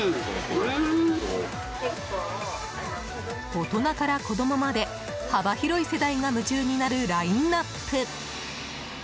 大人から子供まで幅広い世代が夢中になるラインアップ！